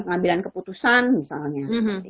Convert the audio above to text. pengambilan keputusan misalnya